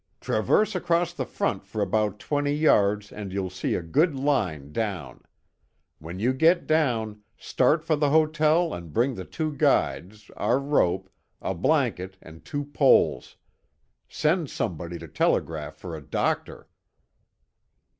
"Traverse across the front for about twenty yards and you'll see a good line down. When you get down, start for the hotel and bring the two guides, our rope, a blanket and two poles. Send somebody to telegraph for a doctor."